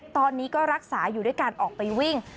ตอนนี้ก็รักษาอยู่ด้วยการออกไปวิ่ง